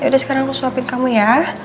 ya udah sekarang aku suapin kamu ya